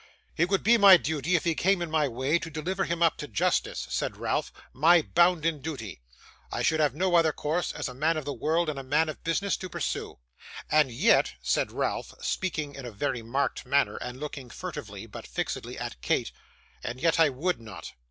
'It would be my duty, if he came in my way, to deliver him up to justice,' said Ralph, 'my bounden duty; I should have no other course, as a man of the world and a man of business, to pursue. And yet,' said Ralph, speaking in a very marked manner, and looking furtively, but fixedly, at Kate, 'and yet I would not.